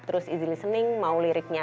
terus easy listening mau liriknya